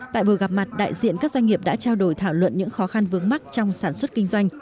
tại buổi gặp mặt đại diện các doanh nghiệp đã trao đổi thảo luận những khó khăn vướng mắt trong sản xuất kinh doanh